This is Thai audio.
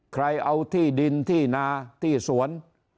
ใครเอาที่ดินที่นาที่สวน